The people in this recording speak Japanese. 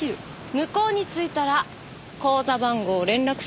向こうに着いたら口座番号を連絡するわ。